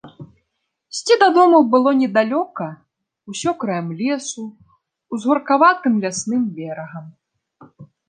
Ісці дадому было недалёка, усё краем лесу, узгоркаватым лясным берагам.